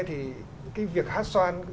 thì cái việc hát xoan